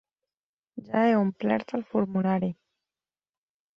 Ja he omplert el formulari.